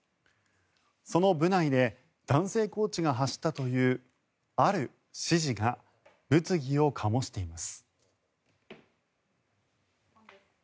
その部内で男性コーチが発したというある指示が物議を醸しています。